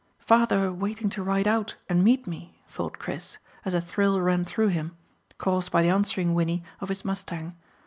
"Father waiting to ride out and meet me," thought Chris, as a thrill ran through him, caused by the answering whinny of his mustang.